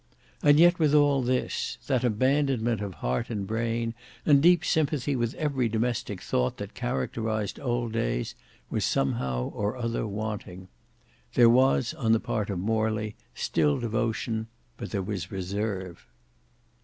And yet with all this, that abandonment of heart and brain, and deep sympathy with every domestic thought that characterized old days, was somehow or other wanting. There was on the part of Morley still devotion, but there was reserve.